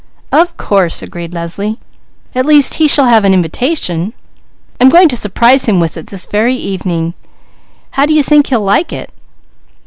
"Of course," agreed Leslie. "At least he shall have an invitation. I'm going to surprise him with it this very evening. How do you think he'll like it?"